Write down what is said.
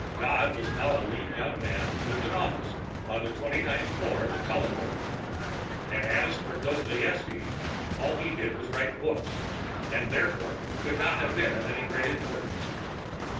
God is now a lean young man with an office on the twenty ninth floor of the Cullen Building and as for Dostoevski, all he did was write books, and therefore could not have been of any great importance.